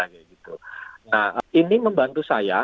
nah ini membantu saya